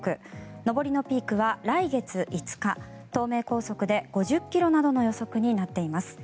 上りのピークは来月５日東名高速で、５０ｋｍなどの予測になっています。